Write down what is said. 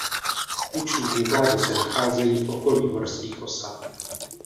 Luční enklávy se nacházejí v okolí horských osad.